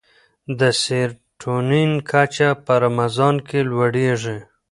د سیرټونین کچه په رمضان کې لوړېږي.